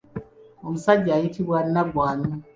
Omusajja ayitibwa Nnaggwano.